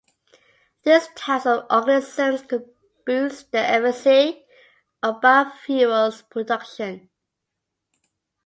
These types of organisms could boost the efficiency of biofuels production.